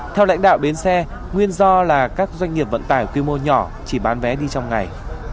theo lãnh đạo bến xe nguyên do là các doanh nghiệp vận tải quy mô nhỏ chỉ bán vé đi trong ngày